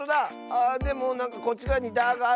ああでもなんかこっちがわに「だ」があるよ。